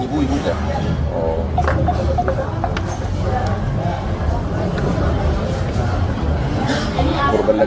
ini maaf ini saya udah tercari mas